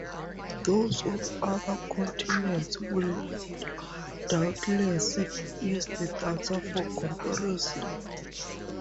Those on other continents will doubtless use the data for comparison.